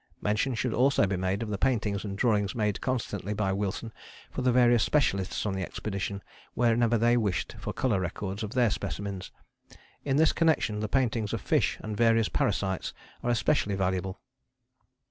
Mention should also be made of the paintings and drawings made constantly by Wilson for the various specialists on the expedition whenever they wished for colour records of their specimens; in this connection the paintings of fish and various parasites are especially valuable.